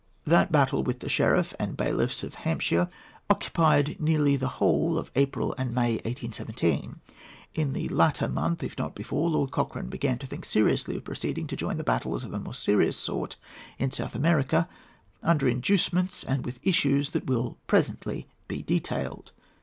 That battle with the sheriff and bailiffs of Hampshire occupied nearly the whole of April and May, 1817. In the latter month, if not before, Lord Cochrane began to think seriously of proceeding to join in battles of a more serious sort in South America, under inducements and with issues that will presently be detailed.